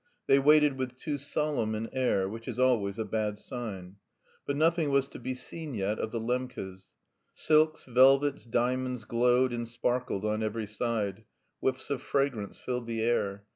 They waited with too solemn an air which is always a bad sign. But nothing was to be seen yet of the Lembkes. Silks, velvets, diamonds glowed and sparkled on every side; whiffs of fragrance filled the air.